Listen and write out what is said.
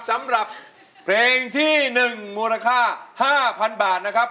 สำหรับเพลงที่๑มูลค่า๕๐๐๐บาทนะครับ